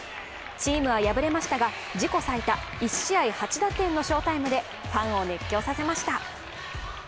チームは敗れましたが自己最多１試合８打点の翔タイムでファンを熱狂させました。